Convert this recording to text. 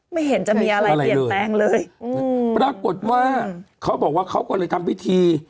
ไม่เห็นจะมีอะไรเปลี่ยนแปลงเลยอืมปรากฏว่าเขาบอกว่าเขาก็เลยทำพิธี